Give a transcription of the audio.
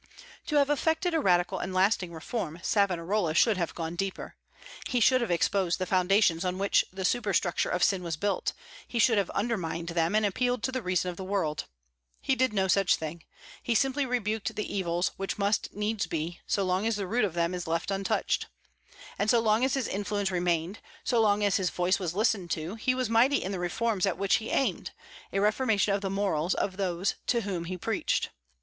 To have effected a radical and lasting reform, Savonarola should have gone deeper. He should have exposed the foundations on which the superstructure of sin was built; he should have undermined them, and appealed to the reason of the world. He did no such thing. He simply rebuked the evils, which must needs be, so long as the root of them is left untouched. And so long as his influence remained, so long as his voice was listened to, he was mighty in the reforms at which he aimed, a reformation of the morals of those to whom he preached.